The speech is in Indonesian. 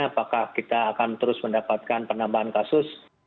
apakah kita akan terus mendapatkan penambahan kasus